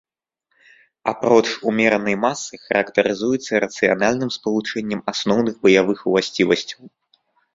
Апроч умеранай масы, характарызуецца рацыянальным спалучэннем асноўных баявых уласцівасцяў.